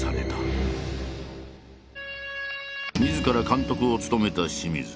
みずから監督を務めた清水。